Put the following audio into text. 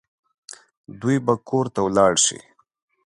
دوی به کور ته ولاړ شي